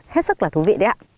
hết sức là thú vị đấy ạ